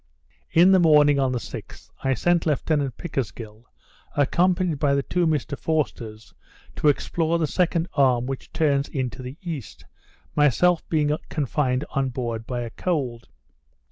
In the morning of the 6th, I sent Lieutenant Pickersgill, accompanied by the two Mr Forsters, to explore the second arm which turns in to the east, myself being confined on board by a cold.